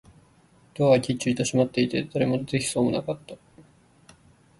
ドアはきっちりと閉まっていて、誰も出てきそうもなかった